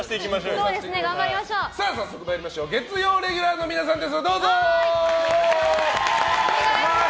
早速参りましょう月曜レギュラーの皆さんです。